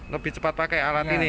lebih cepat pakai alat ini